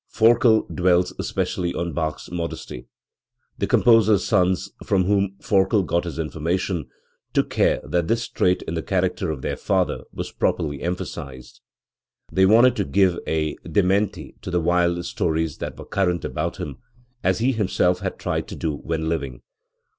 Forkel dwells especially on Bach's modesty. The composer's sons, from whom Forkel got his information, took care that this trait in the character of their father was properly emphasised. They wanted to give a dementi to the wild stories that were current about him, as he himself had tried to do when living.